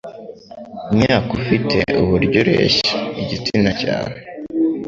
imyaka ufite, uburyo ureshya n;igitsina cyawe,